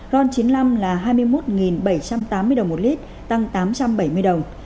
ron chín mươi năm là hai mươi một bảy trăm tám mươi đồng một lít tăng tám trăm bảy mươi đồng